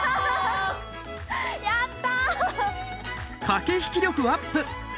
やった！